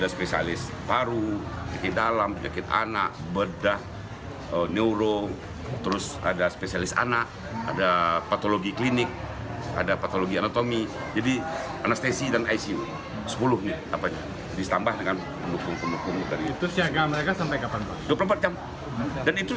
seluruh dokter yang masuk tim merupakan tenaga berpengalaman menghadapi kasus seperti flu burung mers dan lainnya